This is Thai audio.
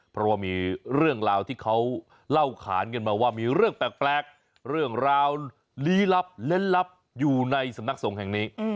แต่แปลกเรื่องราวลี้ลับเล่นลับอยู่ในสำนักสงฆ์แห่งนี้